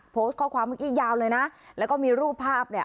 โพสต์ข้อความเมื่อกี้ยาวเลยนะแล้วก็มีรูปภาพเนี่ย